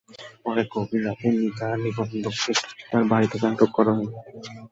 পরে গভীর রাতে নিকাহ নিবন্ধককে তাঁর বাড়ি থেকে আটক করা হয়।